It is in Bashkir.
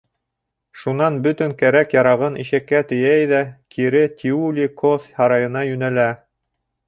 Шунан бөтөн кәрәк-ярағын ишәккә тейәй ҙә кире Тиули-Кос һарайына йүнәлә.